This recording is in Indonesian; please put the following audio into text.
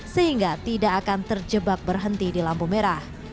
sehingga tidak akan terjebak berhenti di lampu merah